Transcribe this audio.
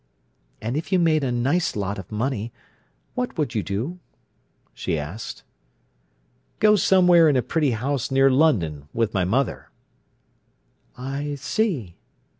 "And if you made a nice lot of money, what would you do?" she asked. "Go somewhere in a pretty house near London with my mother." "I see."